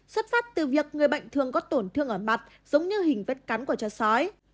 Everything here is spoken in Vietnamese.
xuất phát từ việc người bệnh thường có tổn thương ở mặt giống như hình vết cắn của cho sói